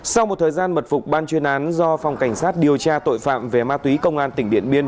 sau một thời gian mật phục ban chuyên án do phòng cảnh sát điều tra tội phạm về ma túy công an tỉnh điện biên